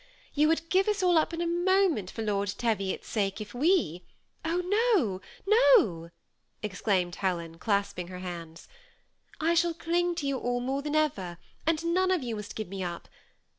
You would give us all up in a moment for Lord Teviot's sake, if we "'^ Oh, no, no !" exclaimed Helen, clasping her hands. ^' I shall cling to you all more than ever, and none of you must give me up.